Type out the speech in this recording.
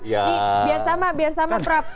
ini biar sama biar sama prap